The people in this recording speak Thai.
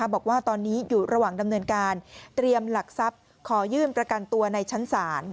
บอกว่าตอนนี้อยู่ระหว่างดำเนินการเตรียมหลักทรัพย์ขอยื่นประกันตัวในชั้นศาล